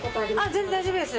全然大丈夫です。